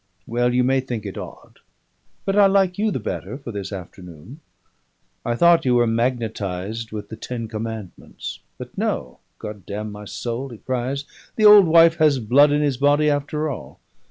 Well, you may think it odd, but I like you the better for this afternoon. I thought you were magnetised with the Ten Commandments; but no God damn my soul!" he cries, "the old wife has blood in his body after all!